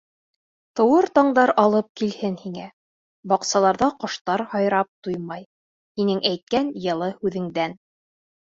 Тыуыр таңдар алып килһен һиңә Баҡсаларҙа ҡоштар һайрап туймай, Һинең әйткән йылы һүҙеңдән.